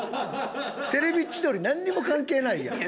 『テレビ千鳥』なんにも関係ないやん。